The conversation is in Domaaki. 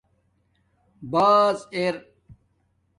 بازار